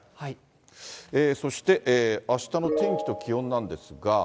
そして、あしたの天気と気温なんですが。